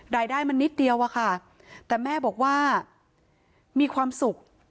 รายได้มันนิดเดียวอะค่ะแต่แม่บอกว่ามีความสุข